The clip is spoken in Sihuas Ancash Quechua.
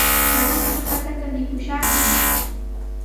Kananqa hakata mikushaqmi.